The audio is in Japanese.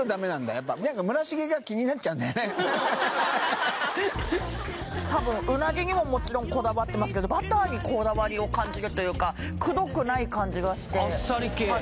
やっぱ多分鰻にももちろんこだわってますけどバターにこだわりを感じるというかくどくない感じがしてあっさり系？